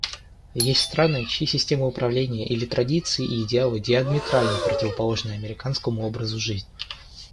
Есть страны, чьи системы управления или традиции и идеалы диаметрально противоположны американскому образу жизни.